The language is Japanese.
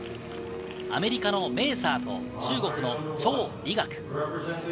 アメリカのメーサーと、中国のチョウ・リガク。